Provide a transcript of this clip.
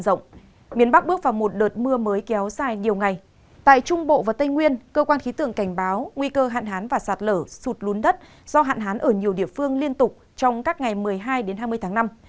ở tây nguyên cơ quan khí tượng cảnh báo nguy cơ hạn hán và sạt lở sụt lún đất do hạn hán ở nhiều địa phương liên tục trong các ngày một mươi hai hai mươi tháng năm